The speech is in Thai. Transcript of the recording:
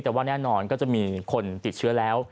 แต่ว่าแน่นอนก็จะมีคนติดเชื้อแล้ว